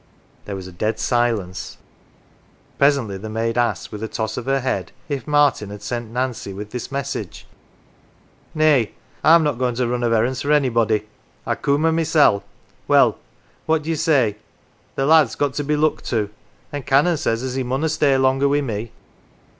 There was a dead silence. Presently the maid asked, with a toss of her head, if Martin had sent Nancy with this message. " Nay. I'm not goin' to run of errands for anybody. I coom o' mysel'. Well, what d'ye say ? The lad's got to be looked to, an' Canon says as he munna stay longer wi' me.